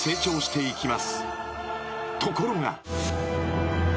［ところが］